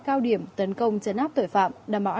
cao điểm tấn công chấn áp tội phạm